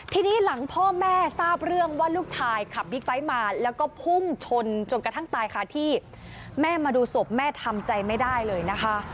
ทีนี้หลังพ่อแม่ทราบเรื่องว่าลูกชายขับบิ๊กไบท์มาแล้วก็พุ่งชนจนกระทั่งตายค่ะที่แม่มาดูศพแม่ทำใจไม่ได้เลยนะคะ